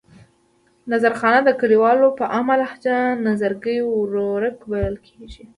نظرخان د کلیوالو په عامه لهجه نظرګي ورورک بلل کېږي.